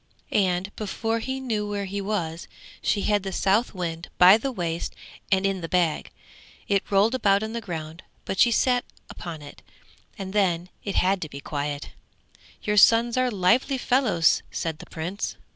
And before he knew where he was she had the Southwind by the waist and in the bag; it rolled about on the ground, but she sat down upon it and then it had to be quiet. 'Your sons are lively fellows!' said the Prince.